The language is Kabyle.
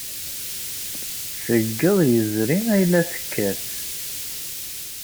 Seg yiḍ yezrin ay la tekkat.